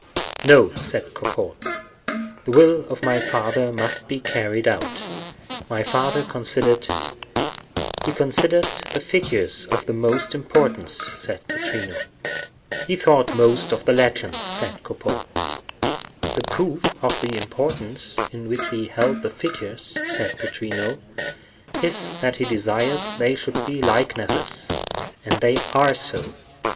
"No," said Cropole, "the will of my father must be carried out. My father considered—" "He considered the figures of the most importance," said Pittrino. "He thought most of the legend," said Cropole. "The proof of the importance in which he held the figures," said Pittrino, "is that he desired they should be likenesses, and they are so."